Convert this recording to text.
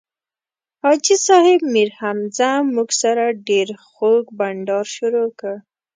حاجي صیب میرحمزه موږ سره ډېر خوږ بنډار شروع کړ.